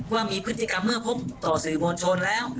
ว่ามีพฤติกรรมเมื่อพบต่อสื่อมวลชนแล้ว